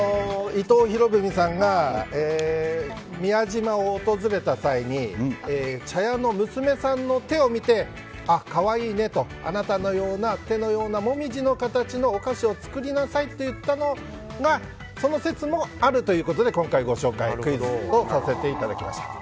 伊藤博文さんが宮島を訪れた際に茶屋の娘さんの手を見て可愛いねとあなたの手のようなモミジの形のお菓子を作りなさいと言ったのがその説もあるということで今回、クイズにさせていただきました。